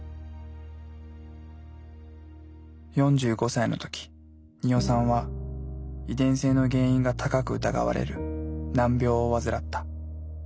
４５歳の時鳰さんは遺伝性の原因が高く疑われる難病を患った。